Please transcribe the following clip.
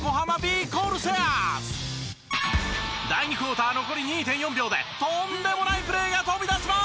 第２クオーター残り２．４秒でとんでもないプレーが飛び出します！